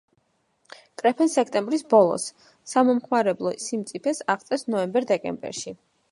კრეფენ სექტემბრის ბოლოს, სამომხმარებლო სიმწიფეს აღწევს ნოემბერ-დეკემბერში.